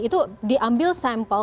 itu diambil sampel